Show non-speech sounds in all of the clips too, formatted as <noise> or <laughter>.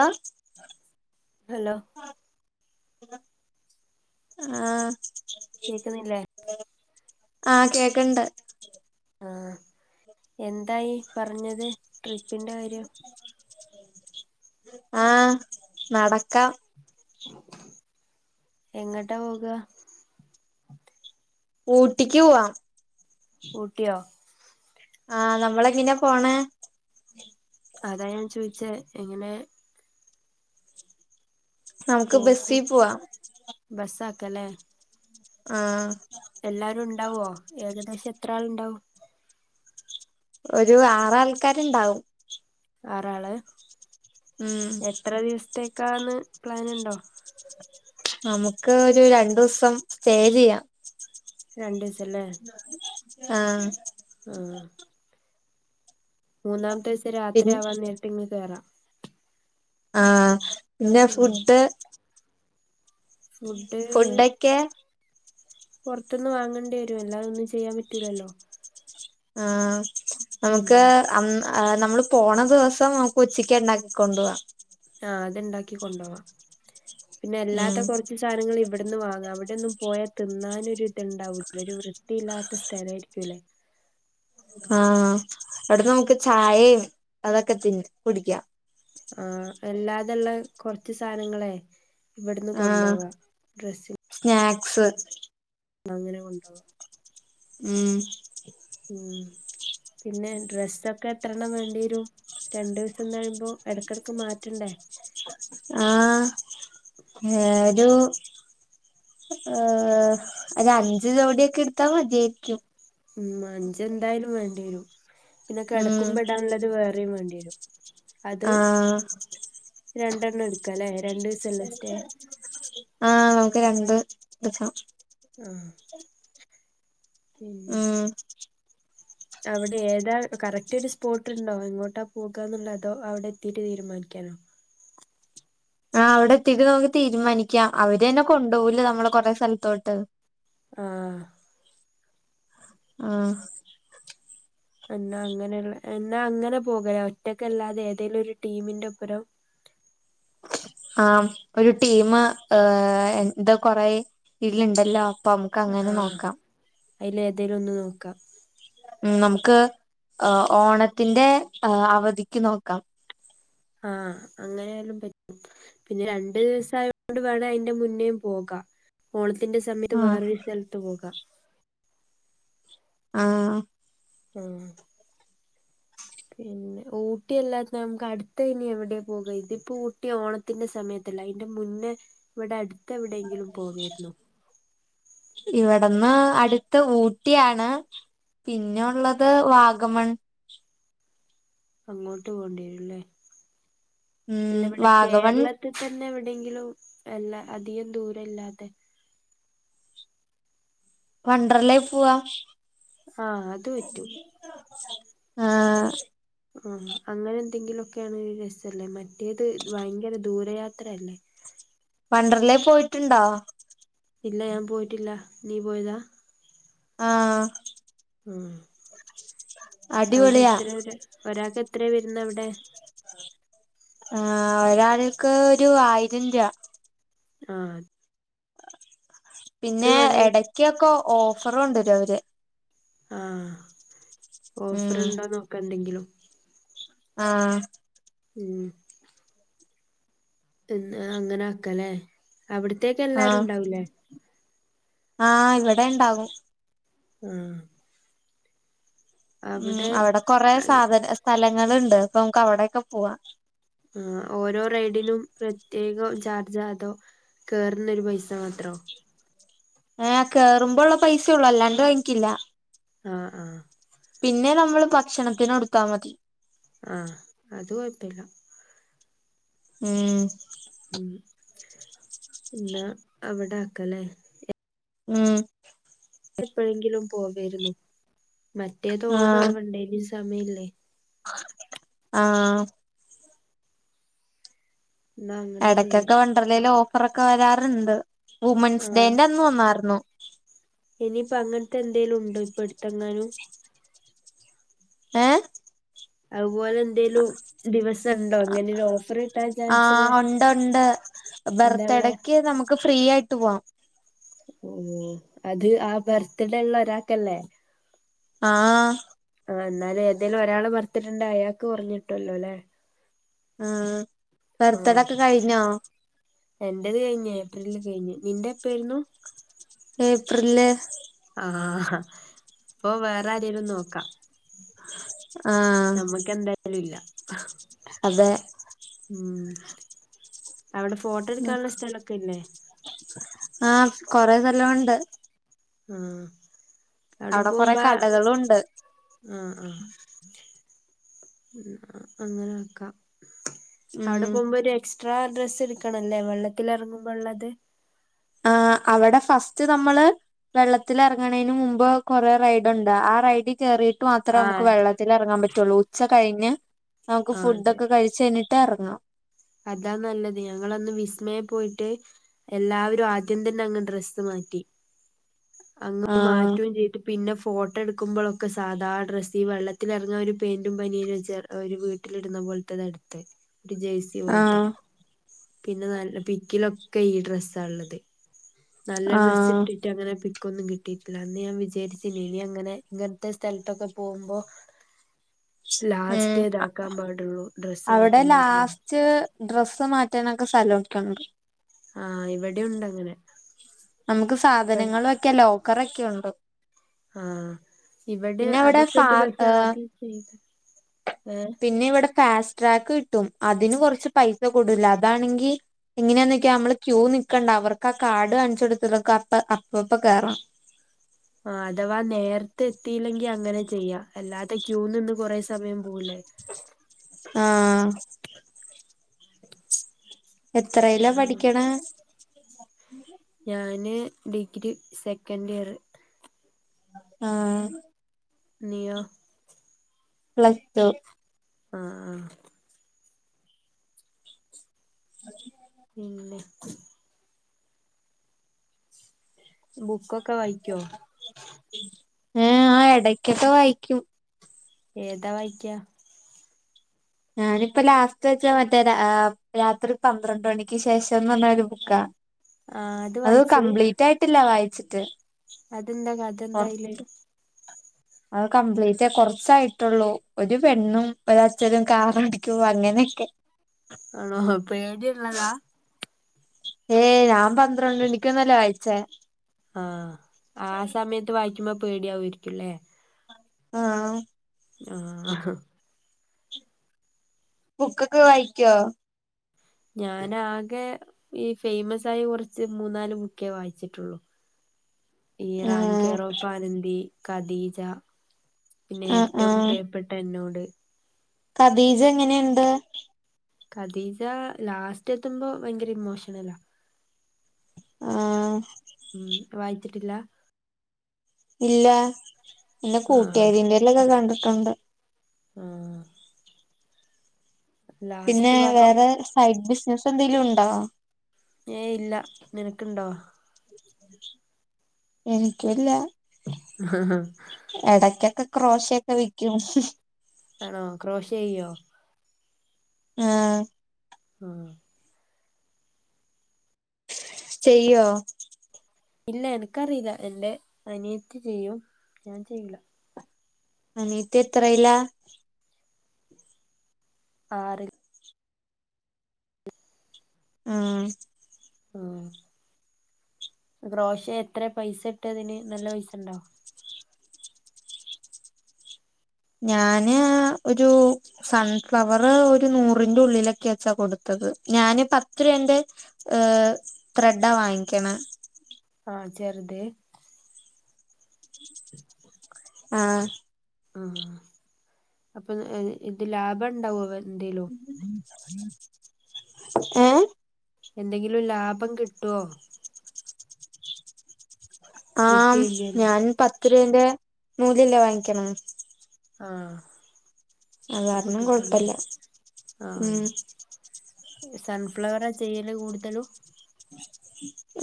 ആ ഹലോ ആ കേക്ന്നില്ലേ ആകേക്കണ് ണ്ട് ആഹഎന്തായി പറഞ്ഞത് ട്രിപ്പിന്റെ കാര്യം ആന ടക്കാം എങ്ങട്ടാ പോക ഊട്ടിക്ക് പോവാ ഊട്ടിയോ ആഹ് നമ്മള എങ്ങനെ പോണേ അതാ ഞാൻ ചോയിച്ചേ എങ്ങനെ നമുക്ക് ബസ്സി പോക്കും പോവാം ബസ്സാക്കലേ ആഹ് എല്ലാരും ഉണ്ടാവോഏകദേശം എത്ര ആൾ ഉണ്ടാവും ഒരു ആറ് ആൾക്കാരുണ്ടാവും ആറാള് ഉം എത്ര ദിവസത്തേക്കാന്ന് പ്ലാന് ഉണ്ടോ നമുക്ക് ഒരു രണ്ടുസം സ്റ്റേ ചെയ്യാം രണ്ട് സല്ലേ ആഹ് ആഹ് മൂന്നാമത്തെ ദിസം പിൻ രാത്രി ആവാൻ നേരിട്ട് ഇങ്ങ് കേറാം ആഹ് പിന്നെ ആഹ് ഫുഡ് ഫുഡ്‌യെ ഫുഡൊക്കെ പൊറത്തുന്നു വാങ്ങണ്ടി വരുമല്ലോ അല്ലാതെയൊന്നും ചെയ്യാൻ പറ്റൂലല്ലോ ആ നമുക്ക് ഉം അ ആഹ് നമ്മള് പോണ ദിവസം നമുക്ക് ഉച്ചക്ക് ഉണ്ടാക്കികൊണ്ട് പോകാം ആ അത് ഉണ്ടാക്കി കൊണ്ട് പോവാം പിന്നെ അല്ലാത്ത ഉം കുറച്ച് ദി ത്താനങ്ങൾ ഇവിടെന്ന് വാങ്ങാം അവിടെന്നും പോയാൽ തിന്നാനും ഒരു ഇത് ഉണ്ടാവൂല ഒരു വൃത്തിയില്ലാത്ത സ്ഥലമായിരിക്കുമല്ലേ ആഹ് അവിടുന്ന് നമുക്ക് ചായേം അതൊക്കെ തി കുടിക്കാം. ആ അല്ലാതുള്ള കുറച്ച് സാധനങ്ങളെ ഇവിടുന്ന് ആഹ് കൊണ്ടുപോക്കാം ഡ്രസ്സി സ്നാക്സ് അങ്ങനെ കൊണ്ടുവൊക്കാം ഉം ഉം പിന്നെ ഡ്രസ്സൊക്കെ എത്ര എണ്ണം വേണ്ടി വെറും രണ്ട് ദിവസം എന്ന് പറയുമ്പോ ഇടക്കിടക്ക് മാറ്റണ്ടേ? ആഹ് ഏരു ഏഹ് ഒരു അഞ്ച് ജോടിയൊക്കെ എടുത്താൽ മതിയായിരിക്കും. ഉം അഞ്ചെന്തായാലും വേണ്ടി വരും പിന്നെ ഉം കെടക്കുമ്പോൾ ഇടാനുള്ളത് വേറെയും വേണ്ടി വരും അത് ആഹ് രണ്ടെണ്ണം എടുക്കല്ലേ രണ്ടു ദിവസല്ലേ സ്റ്റേ ആഹ് നമുക്ക് രണ്ട് ദിസം ആഹ് ഉം അവിടെ ഏതാ കറക്റ്റ് ഒരു സ്പോട്ടുണ്ടോ എങ്ങോട്ടാ പോകാന്നുള്ളത് അതോ അവിടെ എത്തിട്ട് തീരുമാനിക്കാനോ? ആഹ് അവിടെ എത്തിട്ട് നമ്മുക്ക് തീരുമാനിക്കാം അവര് തന്നെ കൊണ്ടുപോകൂലെ നമ്മളെ കൊറെ സ്ഥലത്തോട്ട് ആഹ് ആഹ് എന്നാ അങ്ങനെയുള്ള എന്നാ അങ്ങനെ പോക ഒറ്റക്കല്ലാതെ ഏതേലും ഒരു ടീമിന്റെ ഒപ്പരം ആഹ് ഒരു ടീം ഏഹ് എന്താ കൊറെ ഇതിലുണ്ടല്ലോ നമുക്ക് അങ്ങനെ ആഹ് നോക്കാം അയില് ഏതേലും ഒന്ന് നോക്കാം. ഉം നമുക്ക് ഏഹ് ഓണത്തിന്റെ ആഹ് അവധിക്ക് നോക്കാം. ആഹ് അങ്ങനെയാലും പ പിന്നെ രണ്ടു ദിവസം ആയകൊണ്ട് വേണേ അതിന്റെ മുന്നേയും പോകാം. ഓണത്തിന്റെ സമയത്ത് ആഹ് വേറൊരു സ്ഥലത്ത് പോകാം. ആഹ് ഉം പിന്നെ ഊട്ടിയല്ലാത്ത നമുക്ക് അടുത്ത ഇനി എവിടെ പോക്കാ ഇതിപ്പോ ഊട്ടി ഓണ ത്തിന്റെ സമയത്ത് അല്ല ആയിന്റെ മുന്നേ ഇവിടെ അടുത്ത് എവിടെയെങ്കിലും പോവരുന്നു. ഇവിടുന്ന് അടുത്ത് ഊട്ടിയാണ് പിന്നെ ഉള്ളത് വാഗമൺ. അങ്ങോട്ട് പോണ്ടി വരും എല്ലേ അല്ല ഉം ഇവിടെ വാഗമൺ കേരള ഇവിടെ തന്നെ എവിടെയങ്കിലും അല്ല അധികം ദൂരെ ഇല്ലാതെ വണ്ടർലയിൽ പോവാം <inaudible> ആഹ് അത് പറ്റും ആഹ് ആഹ് അങ്ങനെ എന്തെങ്കിലുമൊക്കെ ആണെങ്കിൽ രസല്ലേ മറ്റേത് ഭയങ്കര ദൂരയാത്രയല്ലേ? വണ്ടർലെ പോയിട്ടുണ്ടോ? ഇല്ല ഞാൻ പോയിട്ടില്ല. നീ പോയതാ? ആഹ് ആ ഉം അവിടെ അടിപൊളിയാ എത്ര ഒരാ ഒരാൾക്ക് എത്രയാ വരുന്നെ അവിടെ? ആഹ് ഒരാള്ക്ക് ഒരു ആയിരം രൂപ ആഹ് അത് പിന്നെ വേണേ എടക്കൊക്കെ ഓഫറ്ണ്ടോര് അവര്. ആഹ് ഓഫറ് ഉം ഇണ്ടോ നോക്ക എന്തെങ്കിലും. ആഹ്. ഉം. അങ്ങനെ ആക്ക ലെ അവിട്ത്തേക്ക് എല്ലാരും ഉണ്ടാവൂലേ ആ ഇവടെ ഇണ്ടാകും. ഉം ഉം അവടെ കൊറെ സാധന സ്ഥലങ്ങള്ണ്ട് അപ്പൊ നമുക്ക് അവിടെക്കെ പോവാ. ഉം ഓരോ റൈഡിനും പ്രത്യേകം ചാർജാ അതോ? കേർന്നൊരു പൈസ മാത്രോ ഏ കേറുമ്പോ ഉള്ള പൈസള്ളൂ അല്ലാണ്ട് വാങ്ങിക്കില്ല. ആഹ് ആഹ്. പിന്നെ നമ്മള് ഭക്ഷണത്തിന് കൊടുത്താ മതി. ആഹ് അത് കൊഴപ്പല്ല. ഉം. ഉം ഇന്നാ അവട ആക്ക ലെ ഉം. എപ്പഴെങ്കിലും പോവെര്ന്നു മറ്റേത് ഓണം ആഹ് ആവണ്ടേ ഇഞ്ഞും സമയല്ലെ ആഹ്. എന്നാ അങ്ങനെ ചെയ്യാം എടക്കൊക്കെ വണ്ടർലെല് ഓഫറൊക്കെ വരാറ്ണ്ട് വുമൻസ് ഡേന്റെ അന്ന് വന്നാർന്നു. ഇനിയിപ്പ അങ്ങൻത്തെ എന്തേലു ഉണ്ടോ ഇപ്പട്ത്തെങ്ങാനും. ഏഹ്. അതുപോലെ. എന്തേലും ദിവസം ഇണ്ടോ ഇങ്ങനെരു ഓഫറ് കിട്ടാൻ ആഹ് ചാൻസ്ള്ളെ ഉണ്ട് ഉണ്ട്. ബർത്ത്ടെക്ക് നമുക്ക് ഫ്രീ ആയിട്ട് പോവാം ഓ അത് ആ ബർത്ത്ഡേള്ള ഒരാക്കല്ലേ ആഹ്. ആ എന്നാല് ഏതേലും ഒരാള് ബർത്തിഡോ ണ്ടായാക്ക് കൊർഞ്ഞിട്ടൊല്ലോ ലെ ആഹ് ആഹ് ബർത്തിഡൊക്കെ കഴിഞ്ഞോ എന്റേത് കഴിഞ്ഞു ഏപ്രിൽ കഴിഞ്ഞ് നിന്റെ എപ്പ ആയിരുന്നു. ഏപ്രില്. ആഹ് അപ്പൊ വേറെ ആരെലും നോക്കാ അഹ് ആഹ്. ഞമ്മക്ക് എന്തായാലും ഇല്ല. അതെ ഉം അവ്ടെ ഫോട്ടോ എടുക്കാൻള്ള സ്ഥലോക്കെ ഇല്ലേ ആ കൊറേ സ്ഥലൊണ്ട് ഉം അവ്ടെ അവിടെ കൊറെ പോവുമ്പ കടകളുണ്ട് ആഹ് ആഹ് അങ്ങനാക്കാ അവ്ടെ ഉം പോകുമ്പോ ഒരു എക്സ്ട്രാ ഡ്രസ്സ് എടുക്കണല്ലേ വെള്ളത്തിലെറങ്ങുമ്പോള്ളത് ആ അവട ഫസ്റ്റ് നമ്മള് വെള്ളത്തിലെർങ്ണേന് മുമ്പ് കൊറേ റൈഡുണ്ട് ആ റൈഡി കേറീ ട്ട് മാത്ര നമുക്ക് ആഹ് വെള്ളത്തിലെർങ്ങാൻ പറ്റുള്ളൂ ഉച്ച കഴിഞ്ഞ് നമുക്ക് ആഹ് ഫുഡ്‌ അതെ ഒക്കെ കഴിച്ച് കഴിഞ്ഞി ട്ട് എർങ്ങാം അതാ നല്ലത് ഞങ്ങളന്ന് വിസ്മയെ പോയിട്ട് എല്ലാവരും ആദ്യം തന്നെ അങ്ങ് ഡ്രസ്സ് മാറ്റി അങ്ങ് ആഹ് മാറ്റ്വേം ചെയ്ത് പിന്നെ ഫോട്ടൊ എടുക്കുമ്പൊളോക്കെ സാധാ ഡ്രസ്സീ വെള്ളത്തിലെർങ്ങാ ഒരു പേന്റും ബനിയനും വെച്ചാ ഒരു വീട്ടിലിടുന്ന പോൽത്തത എടുത്തെ ഒരു ജേഴ് ഇത്പോൽത്തെ ആഹ് പിന്നെ നല്ല പിക്കിലൊക്കെ ഈ ഡ്രസ്സാള്ളത് നല്ല ഡ്രസ്സ് ആഹ് ഇട്ട് ട്ട് അങ്ങനെ പിക്കൊന്നും കിട്ടീട്ടില്ല അന്ന് ഞാൻ വിചാരിച്ചീനി ഇനി അങ്ങനെ ഇങ്ങൻത്തെ സ്ഥലത്തൊക്കെ പോവുമ്പോ <inaudible> ഉം ലാസ്റ്റേ ഇതാക്കാം പാടുള്ളൂ ഡ്രസ്സ് മാറ്റാൻ പാടുള്ളൂ ച്ച് ഡ്രസ്സ് മാറ്റാനൊക്കെ സ്ഥലോക്കണ്ട് ആഹ് ഇവെടുംണ്ട് അങ്ങനെ നമുക്ക് സാധനങ്ങള് വെക്കാൻ ലോക്കറ് ഒക്കെ ഉണ്ടോ ആഹ് ഇവടെ ഫാ അതൊക്കെണ്ട് പക്ഷെ ഏഹ് ആദ്യം ഫേസ് പിന്നെ ഇവടെ ഫാസ്ട്രാക്ക് കിട്ടും അതിന് കൊറച്ച് പൈസ കൂടുതലാ അതാണെങ്കി ഇങ്ങനെയാന്നിക്ക്യാ അമ്മള് ക്യൂ നിക്കണ്ട അവർക്ക് ആ കാഡ് കാണിച്ച്കൊടുത്ത് റ്ക്ക്അപ്പ അപ്പപ്പ കേറാം ആഹ് അഥവാ നേർത്തെ എത്തീല്ലെങ്കി അങ്ങനെ ചെയ്യാ അല്ലാതെ ക്യൂ ന്ന്ന്ന് കൊറേ സമയം പോവൂലേ ആഹ് എത്രേലാ ന്നാണ് പഠിക്ക്ണ് ഞാന് ഡിഗ്രി സെക്കൻഡിയറ് ആഹ് നീയോ പ്ലസ് ടു ആഹ് ആഹ് <inaudible> പിന്നെ ബുക്കൊക്ക വായിക്കോ ഏഹ് ആഹ് എടക്കെക്ക വായിക്കും ഏതാ വായിക്കാ ഞാനിപ്പ ലാസ്റ്റ് യ്ച്ചാ മറ്റേ രാ രാത്രി പന്ത്രണ്ട് മണിക്ക് ശേഷംന്ന് പറഞ ഒരു ബുക്കാ ആ അത് വായിച്ച് കംപ്ലീറ്റായിട്ടില്ല വായിച്ചിട്ട് അതെന്താ കൊർ കഥെന്തായില് അത് കംപ്ലീറ്റാ കൊറച്ചായിട്ടുള്ളൂ ഒരു പെണ്ണും ഒരച്ഛനും കാറോടിക്കുമ്പോ അങ്ങനെക്കെ ആണോ ഹ പേടിള്ളതാ ഏയ് ഞാൻ പന്ത്രണ്ട് മണിക്ക്ന്നല്ലെ വായിച്ചേ ആഹ് ആ സമയത്ത് വായിക്കുമ്പൊ പേടിയാവ്വാേയിരിക്കുല്ലേ ആഹ് ആവും ആഹ് അഹ് ബുക്കൊക്ക വായിക്കോ ഞാനാകെ ഈ ഫൈമസായ കുറച്ച് മൂന്നാല് ബുക്കേ വായിച്ചിട്ടുള്ളു <inaudible> ഈ ആഹ് റാംകേറോപ്പാനന്തി ഖദീജ പിന്നെ ആഹ് ഏറ്റവും ആഹ് പ്രിയപ്പെട്ട എന്നോട് ഖദീജ എങ്ങനെയുണ്ട് ഖദീജ ലാസ്റ്റ് എത്തുമ്പോ ഭയങ്കര ഇമോഷണലാ ആഹ് ഉം വായിച്ചിട്ടില്ല ഇല്ലാ ഇന്റെ ആഹ് കൂട്ടാരിറ്റേലൊക്കെ കണ്ടിട്ടുണ്ട് ആഹ് പിന്നെ ലാസ്റ്റ് ഭാഗം വേറെ സൈഡ് ബിസ്നസ്സ് എന്തെലും ഉണ്ടോ ഏയ് ഇല്ല നിനക്ക്ണ്ടോ എനക്കുംല്ല ആഹ എടയ്ക്കൊക്കെ ക്രോശൊക്കെ വിക്കും ആണോ ക്രോഷ് ചെയ്യോ ആഹ് ആഹ് ചെയ്യോ ഇല്ല എനിക്കറിയില്ല എന്റെ അനിയത്തി ചെയ്യും ഞാൻ ചെയ്യ്ലാ അനിയത്തി എത്രയില്ല ആറിൽ ഉം ആഹ് ബ്രോസേ എത്ര പൈസ കിട്ടാ അതിന് നല്ല പൈസ ഉണ്ടോ ഞാന് ഒരൂ സൺഫ്ലവറ് ഒരു നൂറിന്റെ ഉള്ളിലൊക്കേച്ചാ കൊടുത്തത് ഞാന് പത്ത് രൂപന്റെ ഏഹ് ത്രഡാ വാങ്ങിക്കണ ആഹ് ചെറുത് ആഹ് ആ അപ്പൊ ഇത് ലാഭം ഉണ്ടാവോ എന്തേലും ഏഹ് എന്തെങ്കിലും ലാഭം കിട്ടുവോ വിറ്റ് ആഹ് കഴിഞ്ഞാല് ഞാൻ പത്ത് രൂപേന്റെ നൂലല്ലേ വാങ്ങിക്കണെ ആഹ് അത് അപ്പൊ കാരണം കിട്ടൂല്ല കൊഴപ്പല്ല ആഹ് ഉം സൺഫ്ലവർ ചെയ്യല് കൂടുതലും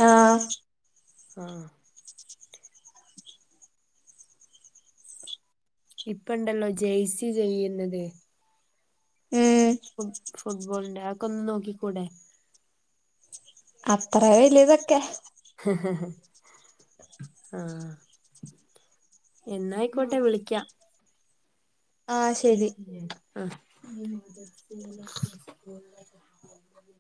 ആഹ് ആഹ് ഇപ്പണ്ടല്ലോ ജെയയ്സി ചെയ്യുന്നത് ഉം ഫു ഫുട്ബോളിന്റെ അതൊക്കെ ഒന്ന് നോക്കിക്കൂടെ അത്ര വലിയതൊക്കെ ഹ് ഹ് ഹ് ആഹ്എന്നായിക്കോട്ടെ വിളിക്കാം ആഹ് ഉം ശരി ആഹ് <inaudible>